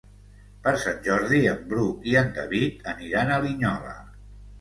Per Sant Jordi en Bru i en David aniran a Linyola.